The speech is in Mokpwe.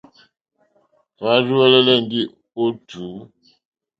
Hwá rzúwɛ̀lɛ̀lɛ̀ ndí ó tǔ.